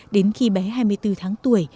đến khi bé hai mươi bốn tháng tuổi